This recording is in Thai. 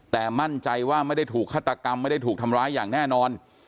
แต่มั่นใจว่าไม่ได้ถูกฆาตกรรมไม่ได้ถูกทำร้ายอย่างแน่นอน